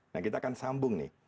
nah kita akan sambung nih